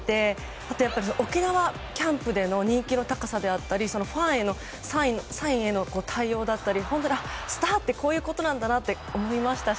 あと、沖縄キャンプでの人気の高さであったりファンへのサインの対応だったり本当にスターってこういうことなんだなって思いましたし